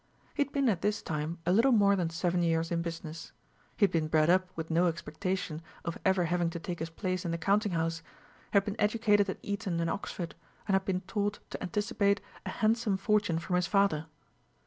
He had been at this time a little more than seven years in business. He had been bred up with no expectation of ever having to take his place in the counting house, had been educated at Eton and Oxford, and had been taught to anticipate a handsome fortune from his father.